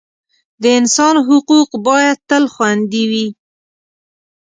د انسان حقوق باید تل خوندي وي.